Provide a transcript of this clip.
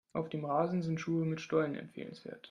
Auf dem Rasen sind Schuhe mit Stollen empfehlenswert.